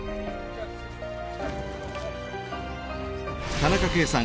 田中圭さん